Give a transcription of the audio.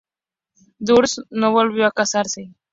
Durst no volvió a casarse